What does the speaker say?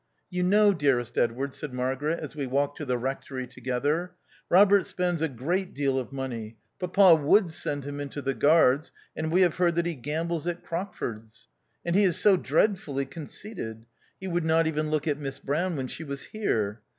" You know, dearest Edward," said Mar garet, as we walked to the Rectory together, " Eobert spends a great deal of money — papa would send him into the Guards — and we have heard that he gambles at Crockford's. And he is so dreadfully conceited ; he would not even look at Miss Brown when she was here.